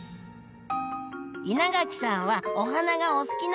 稲垣さんはお花がお好きなんですよね？